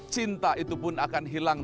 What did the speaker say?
cinta itu pun akan hilang